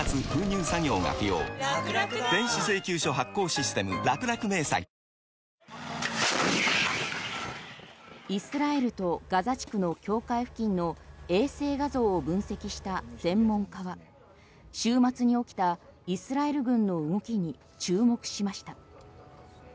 日々の体調管理が大切でワクチンもあるみたいイスラエルとガザ地区の境界付近の衛星画像を分析した専門家は週末に起きたイスラエル軍の動きに注目しました。